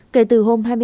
kể từ hôm hai mươi ba